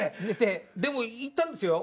でも行ったんですよ。